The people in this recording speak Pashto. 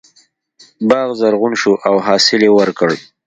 باغ زرغون شو او حاصل یې ورکړ.